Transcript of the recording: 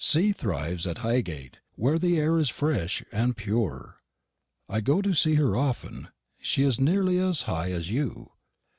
C. thrivs at Higate, wear the aire is fresh and pewer. I go to see her offen. She is nerely as high as you.